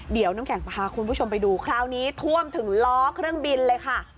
เดี๋ยวน้ำแข็งพาคุณผู้ชมไปดูคราวนี้ท่วมถึงล้อเครื่องบินเลยค่ะ